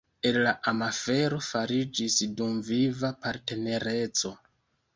El la amafero fariĝis dumviva partnereco.